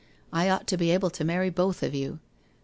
I ought to be able to marry both of you.'